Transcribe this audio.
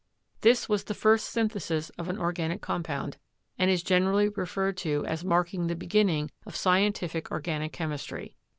This was the first synthesis of an organic compound, and is generally referred to as marking the beginning of scientific organic chemistry.